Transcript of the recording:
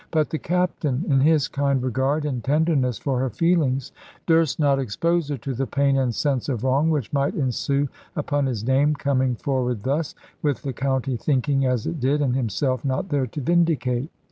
But the Captain, in his kind regard and tenderness for her feelings, durst not expose her to the pain and sense of wrong which might ensue upon his name coming forward thus, with the county thinking as it did, and himself not there to vindicate.